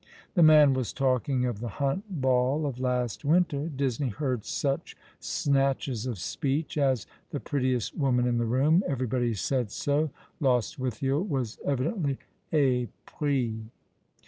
The man was talking of the Hunt Ball of last winter. Disney heard such snatches of speech as ^' the prettiest woman in the room," " everybody said so," " Lostwithiel was evidently epris."